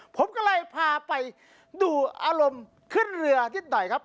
ผมก็เลยพาไปดูอารมณ์ขึ้นเรือนิดหน่อยครับ